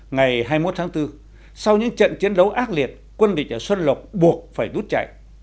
ngày hai mươi một tháng bốn sau những trận chiến đấu ác liệt quân địch ở xuân lộc buộc phải đốt chạy